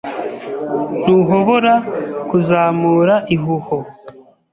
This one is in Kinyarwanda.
Ntuhobora kuzamura ihuho